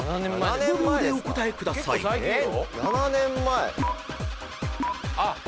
［５秒でお答えください］７年前。